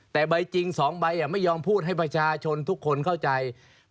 แต่ใบจริง๒ใบไม่ยอมพูดให้ประชาชนทุกคนเข้าใจ